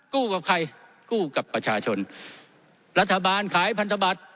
กับใครกู้กับประชาชนรัฐบาลขายพันธบัตร